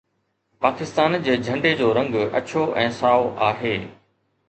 پاڪستان جي جهنڊي جو رنگ اڇو ۽ سائو آهي.